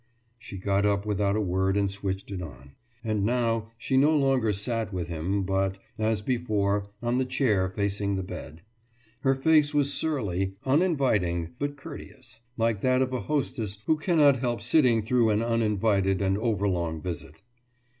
« She got up without a word and switched it on. And now she no longer sat with him but, as before, on the chair facing the bed. Her face was surly, uninviting, but courteous like that of a hostess who cannot help sitting through an uninvited and overlong visit.